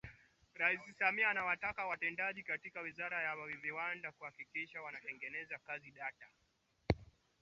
Rais Samia amewataka watendaji katika wizara ya viwanda kuhakikisha wanatengeneza kanzi data